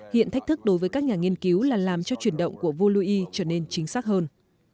hiện thách thức đối với các nhà nghiên cứu là làm cho chuyển động của vua louis trở nên chính xác hơn